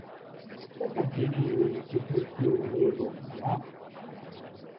Zergatik iruditu zaizue une egokia?